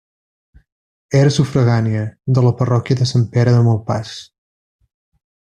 Era sufragània de la parròquia de Sant Pere de Malpàs.